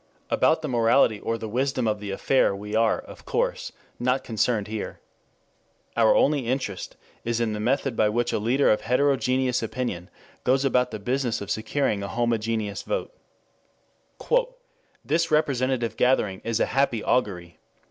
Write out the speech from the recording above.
About the morality or the wisdom of the affair we are, of course, not concerned here. Our only interest is in the method by which a leader of heterogeneous opinion goes about the business of securing a homogeneous vote. "This representative gathering is a happy augury.